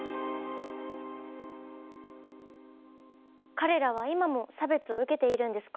彼らは今も差別を受けているんですか？